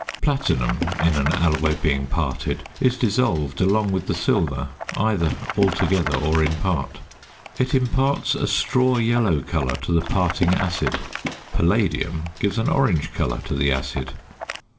Platinum in an alloy being parted is dissolved along with the silver either altogether or in part. It imparts a straw yellow colour to the parting acid. Palladium gives an orange colour to the acid.